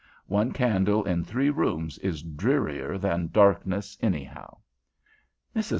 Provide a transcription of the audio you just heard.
One candle in three rooms is drearier than darkness anyhow. Mrs.